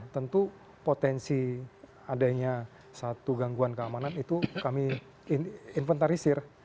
tentu potensi adanya satu gangguan keamanan itu kami inventarisir